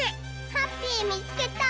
ハッピーみつけた！